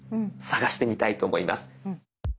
探してみたいと思います。